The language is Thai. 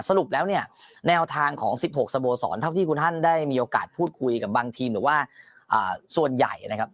สรุปแล้วเนี่ยแนวทางของ๑๖สโมสรเท่าที่คุณฮั่นได้มีโอกาสพูดคุยกับบางทีมหรือว่าส่วนใหญ่นะครับ